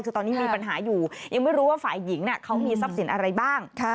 คือตอนนี้มีปัญหาอยู่ยังไม่รู้ว่าฝ่ายหญิงเขามีทรัพย์สินอะไรบ้าง